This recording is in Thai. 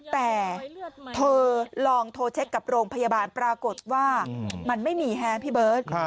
แต่เธอลองโทรเช็คกับโรงพยาบาลปรากฏว่ามันไม่มีแฮะพี่เบิร์ต